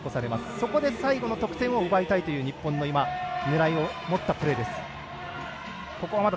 そこで最後の得点を奪いたいという今、狙いをもったプレーです。